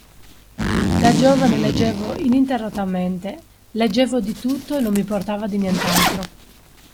Da giovane leggevo ininterrottamente, leggevo di tutto e non mi importava di nient'altro.